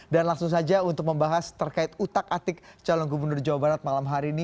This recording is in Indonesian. dan langsung saja untuk membahas terkait utak atik calon gubernur jawa barat malam hari ini